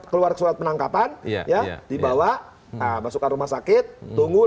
keluar surat penangkapan